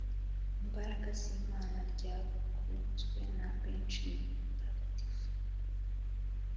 imbaraga z’imana ryakunzwe na benshi mu batagatifu